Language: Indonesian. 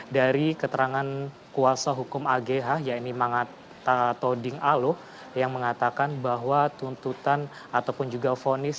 dari keterangan kuasa hukum agh ya ini mangat toding alo yang mengatakan bahwa tuntutan ataupun juga fonis